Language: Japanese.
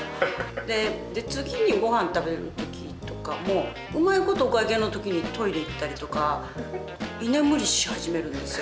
で次にごはん食べる時とかもうまいことお会計の時にトイレ行ったりとか居眠りし始めるんですよ。